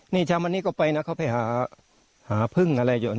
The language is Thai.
นี่เช้าวันนี้ก็ไปนะเขาไปหาพึ่งอะไรอยู่